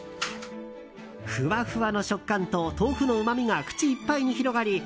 ふわふわの食感と豆腐のうまみが口いっぱいに広がり